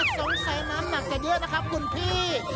สงสัยน้ำหนักจะเยอะนะครับคุณพี่